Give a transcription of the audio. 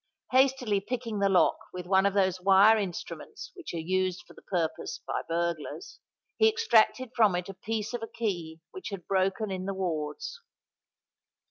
Hastily picking the lock with one of those wire instruments which are used for the purpose by burglars, he extracted from it a piece of a key which had broken in the wards.